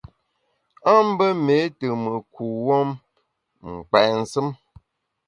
A mbe méé te mùt kuwuom, m’ nkpèt nsùm.